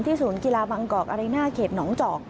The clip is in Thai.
ศูนย์กีฬาบางกอกอาริน่าเขตหนองจอก